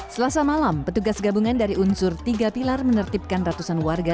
selasa malam petugas gabungan dari unsur tiga pilar menertibkan ratusan warga